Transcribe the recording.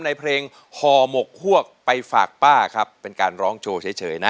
ในเพลงห่อหมกฮวกไปฝากป้าครับเป็นการร้องโชว์เฉยนะ